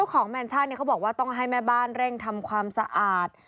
เขาบอกว่าต้องให้แม่บ้านเร่งทำความสะอาด